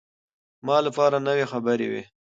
ما لپاره نوې خبرې وې.